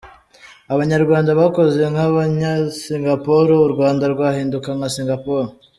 Abanyarwanda bakoze nk’Abanyasingapore, u Rwanda rwahinduka nka Singapore .